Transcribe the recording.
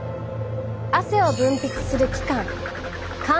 汗を分泌する器官